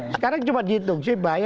sekarang cuma dihitung sih bahaya